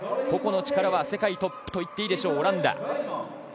個々の力は世界トップといっていいオランダ。